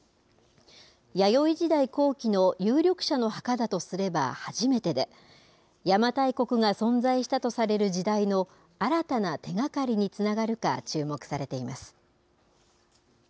弥生時代後期の有力者の墓だとすれば初めてで、邪馬台国が存在したとされる時代の新たな手がかりにつながるか注目されています。